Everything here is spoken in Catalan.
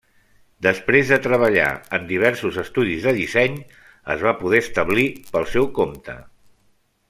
Després de treballar en diversos estudis de disseny es va poder establir pel seu compte.